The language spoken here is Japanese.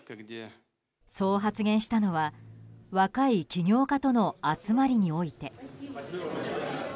そう発言したのは若い起業家との集まりにおいて。